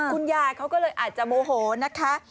คุณยายเขาก็เลยอาจจะโมโหนะคะ